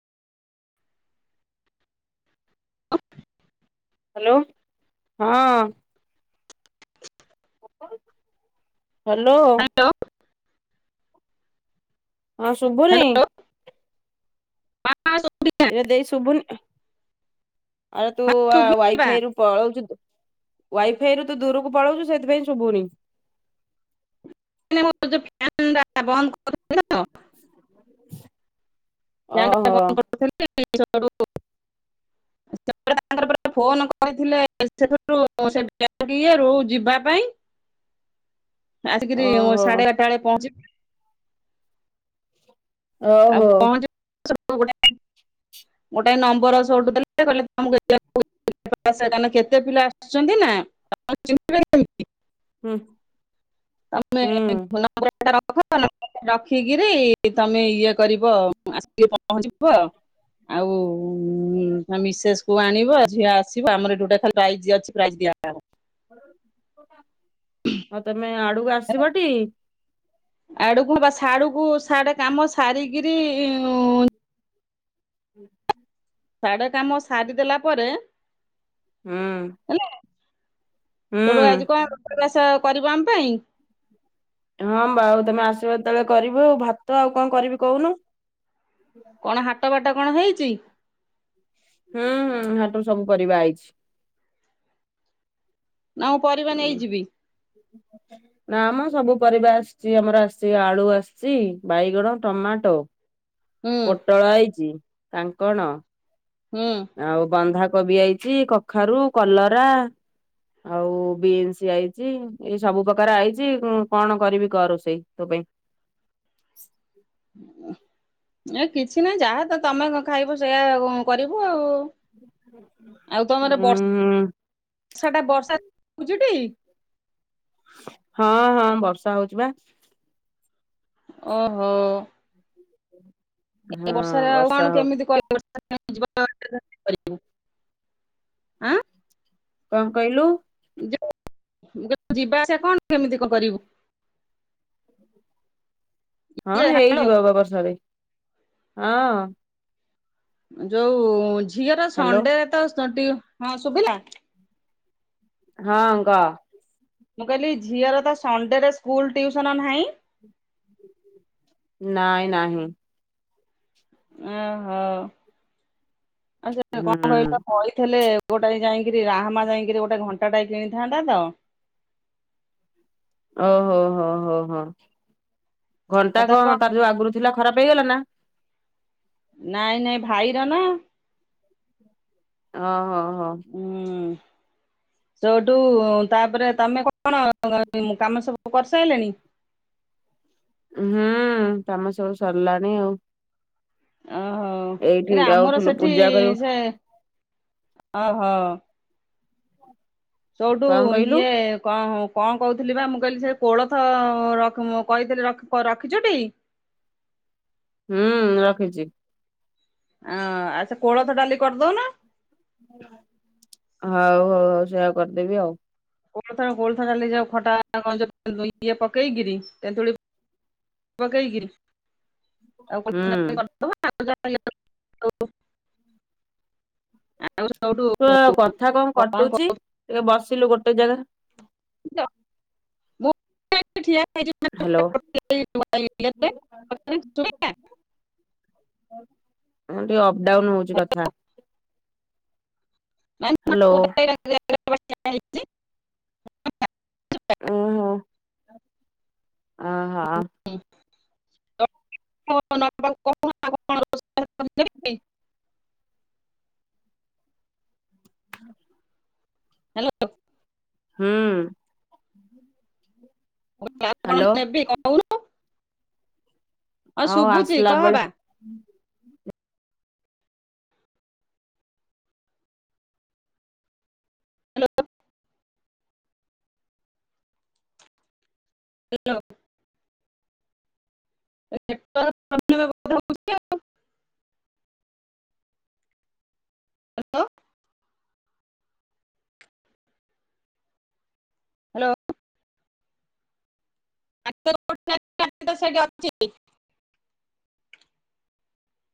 Hello, ହଁ। Hello. ଲୋଁ। ହଁ, ଶୁଭୁନି? ହ୍ୟାଲୋ। ହଁ ଏରେ ଦେଇ ଶୁଭୁନି। ଆରେ ତୁ ଶୁଭିଲା ୱାଇଫାଇ ରୁ ପଳଉଚୁ ତୁ। ୱାଇଫାଇ ରୁ ତୁ ଦୂରୁକୁ ପଳଉଚୁ, ସେଥିପାଇଁ ଶୁଭୁନି। [inaudible] ଫ୍ୟାନ୍ ଟା ବନ୍ଦ। [inaudible] ଫ୍ୟାନ୍ ଟା ଓହୋ ବନ୍ଦ [inaudible] [unintelligible] ତାପରେ [unintelligible] ଫୋନ୍ କରିଥିଲେ ସେଥିରୁ ସେ ଇଏରୁ ଯିବା ପାଇଁ। ଆସିକିରି ଓହୋ ସାଢ଼େ ବାରଟା ବେଳେ ପହଞ୍ଚିବୁ। ଓହୋ [unintelligible] ଗୋଟେ ନମ୍ବର ସଉଠୁ ଦେଲେ କହିଲେ [unintelligible] [unintelligible] ଏତେ ପିଲା ଆସୁଛନ୍ତି ନା। [unintelligible] ହୁଁ ହୁଁ [unintelligible] ରଖିକିରି ତମେ ଇଏ କରିବ ଆଉ ଆସିକି ପହଞ୍ଚିବ। ଆଉ ହେ ମିସେସ୍ କୁ ଆଣିବେ। ଝିଅ ଆସିବ ଆମର ଏଠି ଗୋଟେ ଖାଲି ପ୍ରାଇଜ୍ ଅଛି ପ୍ରାଇଜ୍ ଦିଆହବ। ଆଉ ତମେ ଆଡ଼କୁ ଆସିବ ଟି? ଆଡ଼କୁ ବା ସାଡ଼ୁକୁ ସାଡ଼େ କାମ ସାରିକିରି ଉଁ [inaudible] ସାଡ଼େ କାମ ସାରିଦେଲା ପରେ ହୁଁ। ହେଲା ହୁଁ ସଟୁ ଆଜି କଣ ରୋଷେଇ ବାସ କରିବ ଆମ ପାଇଁ? ହଁ ବାଉ ତମେ ଆସିବ ଯେତେବେଳେ କରିବି ଆଉ ଭାତ ଆଉ କଣ କରିବି କହୁନୁ? କଣ ହାଟ ବାଟ କଣ ହେଇଚି? ହୁଁ ହୁଁ ହାଟରୁ ସବୁ ପରିବା ଆଇଚି। ନା ମୁଁ ପରିବା ନେଇଯିବି? ନା ମ ସବୁ ପରିବା ଆସିଚି ଆମର ଆସିଚି ଆଳୁ ଆସିଚି ବାଇଗଣ ଟମାଟୋ ହୁଁ ପୋଟଳ ଆଇଚି କାଙ୍କଣ ହୁଁ। ଆଉ ବନ୍ଧାକୋବି ଆଇଚି କଖାରୁ କଲରା ଆଉ ବିନ୍ସ ଆଇଚି ଏଇ ସବୁ ପ୍ରକାର ଆଇଚି କଁ କଣ କରିବି କଅ ରୋଷେଇ ତୋ ପାଇଁ? ଏ କିଛି ନାଇଁ ଯାହା ତ ତମେ ଖାଇବ ସେଇଆ କରିବୁ ଆଉ। [unintelligible] ଆଉ ତମର ଉଁ ବର୍ଷ ଷାଟା ବର୍ଷା ଉଚିଟି? ହଁ ହଁ ବର୍ଷା ହଉଛି ପା। ଓହୋ। ଏତେ ହଁ ବର୍ଷାରେ ଆଉ ବର୍ଷା କଣ ହଉ କେମିତି କର [unintelligible] ଆଁ କଣ କହିଲୁ? ଯଉ ମୁ କ ଯିବା ଆସିବା କଣ କେମିତି କ କରିବୁ? [inaudible] ହଁ ଇଏ ହ୍ୟାଲୋ ହେଇଯିବ ବ ବର୍ଷାରେ ହଁ। ଯୋଉ ଝିଅର ହ୍ୟାଲୋ ସଣ୍ଡେରେ ତ ସ ଟି ହଁ ଶୁଭିଲା? ହଁ ଙ୍କ ମୁଁ କହିଲି ଝିଅର ତ ସଣ୍ଡେରେ ସ୍କୁଲ ଟିଉସନ ନାହିଁ? ନାଇଁ ନାହିଁ। ଓହୋ ଆଛା କଣ ହୁଁ କହିଲ କହିଥିଲେ ଗୋଟାଏ ଯାଇଙ୍କିରି ରାହାମା ଯାଇଙ୍କିରି ଗୋଟେ ଘଣ୍ଟାଟାଏ କିଣିଥାନ୍ତା ତ। ଓ ହୋ ହୋ ହୋ ହୋ ଘଣ୍ଟା କଣ ତାର ଯୋଉ ଆଗରୁ ଥିଲା ଖରାପ ହେଇଗଲା ନା? ନାଇଁ ନାଇଁ ଭାଇର ନା। ଓ ହୋ ହୋ। ହୁଁ ସେଉଠୁ ତାପରେ ତମେ କଣ କାମ ସବୁ କରିସାରଲେଣି। ହୁଁ କାମ ସବୁ ସରିଲାଣି ଆଉ। ଓହୋ ଏଇଠି କି ଆମର ଯାଉଥିଲୁ ସେଠି ପୂଜା କରିବୁ ସେ ଅହୋ। ତୋଠୁ କଣ କହିଲୁ ଇଏ କଣ ହ। କଣ କହୁଥିଲି ବା ମୁଁ କହିଲି ସେ କୋଳଥ ରଖ ମୋ କହିଥିଲି ରଖ ରଖିଚୁଟି? ହୁଁ ରଖିଛି। ଆ ଆଉ ସେ କୋଳଥ ଡାଲି କରିଦଉନ। ହଉ ହଉ ହଉ ସେୟା କରିଦେବି ଆଉ। କୋଥ କୋଥଡାଲି ଯଉ ଖଟା ଗଞ୍ଜ ଇଏ ପକେଇକିରି ତେନ୍ତୁଳି। ପକେଇକିରି ଆଉ ହୁଁ [inaudible] ଆଉ ସୋଉଠୁ ତୁ କଥା କଣ କଟୁଛି ଟିକେ ବସିଲୁ ଗୋଟେ ଜାଗା କହୁଥିଲି [inaudible] ହଁ ଟିକେ ଅଫଡାଉନ ହଉଛି କଥା। ହ୍ୟାଲୋ [inaudible] ଓହୋ। ଅହୋ। ହ [inaudible] [inaudible] [inaudible] ହଁ [inaudible] ହ୍ୟାଲୋ। ହୁଁ। ଆଉ କଣ ହ୍ୟାଲୋ ନେବି କହୁନୁ ହଁ ଆଉ ଶୁଭୁଛି ଆସିଲା ବେଳେ କହବା। [unintelligible] [unintelligible] [unintelligible] [unintelligible] ହାଲୋ। ହ୍ୟାଲୋ। [unintelligible] ସେଇଠି ଅଛି ସେଟି।